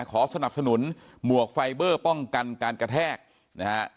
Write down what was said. ขอสนับสนุนหมวกไฟเบอร์ป้องกันการกระแทกนะฮะ